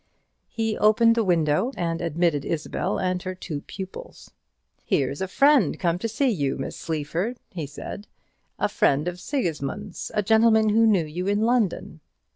He opened the window and admitted Isabel and her two pupils. "Here's a friend come to see you, Miss Sleaford," he said; "a friend of Sigismund's; a gentleman who knew you in London."